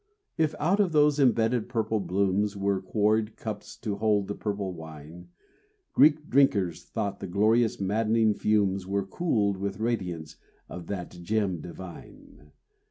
If out of those embedded purple blooms Were quarried cups to hold the purple wine, Greek drinkers thought the glorious, maddening fumes Were cooled with radiance of that gem divine.